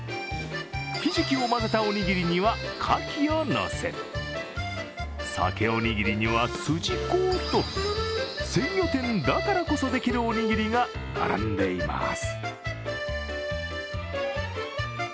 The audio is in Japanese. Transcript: ひじきを混ぜたおにぎりには、かきをのせ、さけおにぎりにはすじこと、鮮魚店だからこそできるおにぎりが並んでいます。